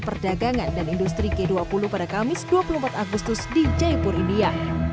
perdagangan dan industri g dua puluh pada kamis dua puluh empat agustus di jaipur india